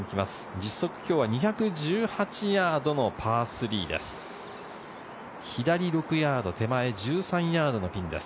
実測２１８ヤードのパー３です。